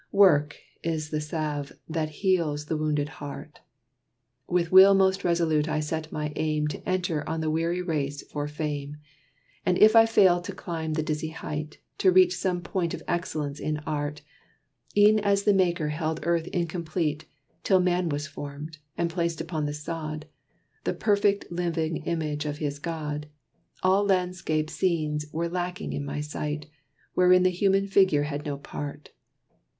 Work is the salve that heals the wounded heart. With will most resolute I set my aim To enter on the weary race for Fame, And if I failed to climb the dizzy height, To reach some point of excellence in art. E'en as the Maker held earth incomplete, Till man was formed, and placed upon the sod, The perfect, living image of his God, All landscape scenes were lacking in my sight, Wherein the human figure had no part.